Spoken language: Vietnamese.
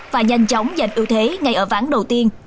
và nhanh chóng giành ưu thế ngay ở ván đầu tiên